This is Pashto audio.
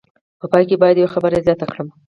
په پای کې باید یوه خبره زیاته کړم.